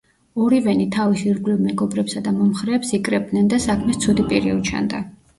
ორივენი თავის ირგვლივ მეგობრებსა და მომხრეებს იკრებდნენ და საქმეს ცუდი პირი უჩანდა.